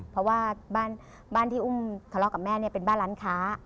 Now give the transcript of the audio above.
เพราะว่าบ้านที่อุ้มทะเลาะกับแม่เนี่ยเป็นบ้านร้านค้า